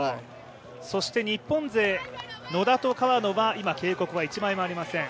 そして日本勢、野田と川野は今、警告は１枚もありません。